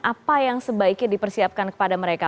apa yang sebaiknya dipersiapkan kepada mereka